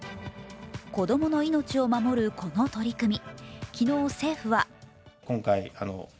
子どもの命を守るこの取り組み。